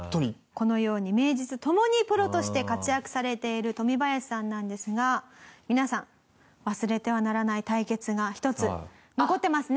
このように名実ともにプロとして活躍されているトミバヤシさんなんですが皆さん忘れてはならない対決が一つ残ってますね？